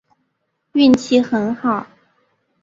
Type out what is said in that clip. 运气很好